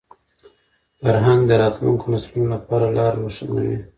فرهنګ د راتلونکو نسلونو لپاره لاره روښانوي.